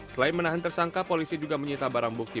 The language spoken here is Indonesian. selain menahan tersangka polisi juga menyita barang bukti